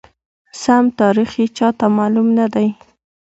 سم تاریخ یې چاته معلوم ندی،